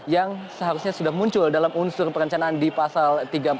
yang seharusnya sudah muncul dalam unsur perencanaan di pasal tiga ratus empat puluh